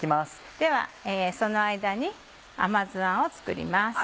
ではその間に甘酢あんを作ります。